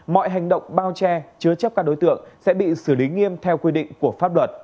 mọi hành động bao che chứa chấp các đối tượng sẽ bị xử lý nghiêm theo quy định